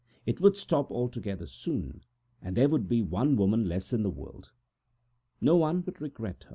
It would stop altogether soon, and there would be one woman less in the world, one whom nobody would regret.